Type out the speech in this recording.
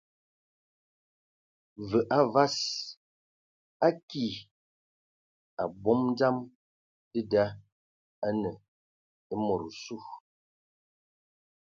Və a vas, a ki ! Abom dzam dəda anə e mod osu.